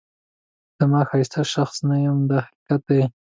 زه ښایسته شخص نه یم دا حقیقت دی.